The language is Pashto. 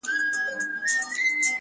o داسي نه كړو.